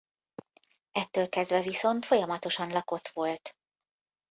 Ettől kezdve viszont folyamatosan lakott volt.